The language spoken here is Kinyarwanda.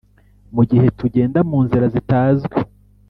mugihe tugenda munzira zitazwi